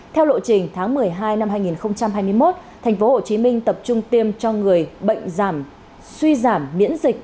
theo lộ trình tháng một mươi hai năm hai nghìn hai mươi một tp hcm tập trung tiêm cho người bệnh suy giảm miễn dịch